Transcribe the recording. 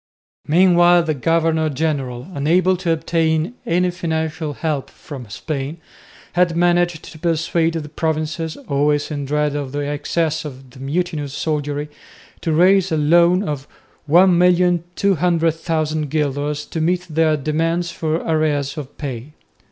Meanwhile the governor general, unable to obtain any financial help from Spain, had managed to persuade the provinces, always in dread of the excesses of the mutinous soldiery, to raise a loan of 1,200,000 guilders to meet their demands for arrears of pay.